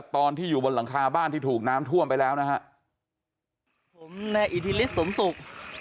ตอนที่อยู่บนหลังคาบ้านที่ถูกน้ำท่วมไปแล้วนะฮะผมนายอิทธิฤทธิสมศุกร์